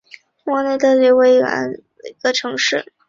莫内特是一个位于美国阿肯色州克雷格黑德县的城市。